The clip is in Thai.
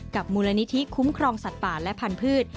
มูลนิธิคุ้มครองสัตว์ป่าและพันธุ์